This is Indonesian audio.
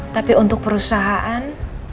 tapi untuk perusahaan